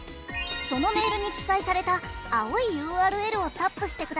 そのメールに記載された青いＵＲＬをタップしてください。